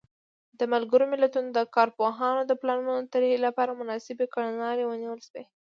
د ملګرو ملتونو د کارپوهانو د پلانونو طرحې لپاره مناسبې کړنلارې ونیول شوې.